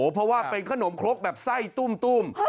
เพราะว่าเป็นขนมครกแบบไส้ตุ้ม